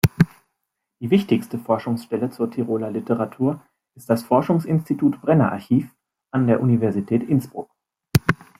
Die wichtigste Forschungsstelle zur Tiroler Literatur ist das Forschungsinstitut Brenner-Archiv an der Universität Innsbruck.